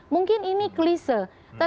mungkin ini klise